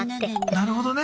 なるほどね。